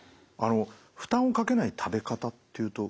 負担をかけない食べ方っていうと。